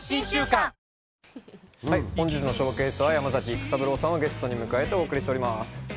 本日のＳＨＯＷＣＡＳＥは山崎育三郎さんをゲストに迎えてお送りしております。